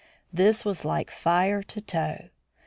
This was like fire to tow.